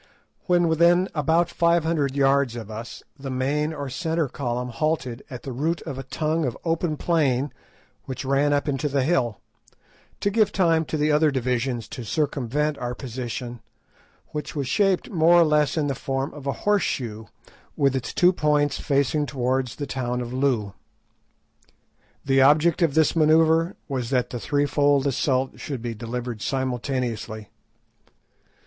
When within about five hundred yards of us, the main or centre column halted at the root of a tongue of open plain which ran up into the hill, to give time to the other divisions to circumvent our position, which was shaped more or less in the form of a horse shoe, with its two points facing towards the town of Loo. The object of this manoeuvre was that the threefold assault should be delivered simultaneously.